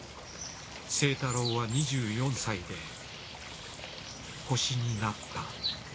清太郎は２４歳で星になった。